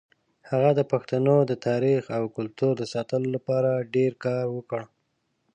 هغه د پښتنو د تاریخ او کلتور د ساتلو لپاره ډېر کار وکړ.